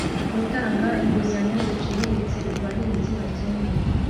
gutanga inguzanyo ziciriritse ku bahinzi bakennye